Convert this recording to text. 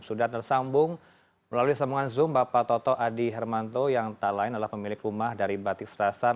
sudah tersambung melalui sambungan zoom bapak toto adi hermanto yang tak lain adalah pemilik rumah dari batik serasan